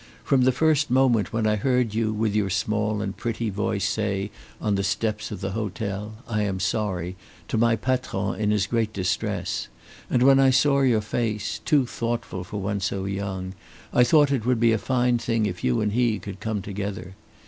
From the first moment when I heard you with your small and pretty voice say on the steps of the hotel 'I am sorry' to my patron in his great distress, and when I saw your face, too thoughtful for one so young, I thought it would be a fine thing if you and he could come together.